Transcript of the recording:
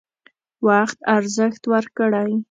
وخت ارزښت ورکړئ